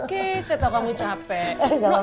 oke saya tahu kamu capek